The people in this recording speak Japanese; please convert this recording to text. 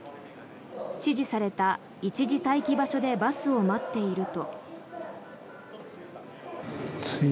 指示された一時待機場所でバスを待っていると。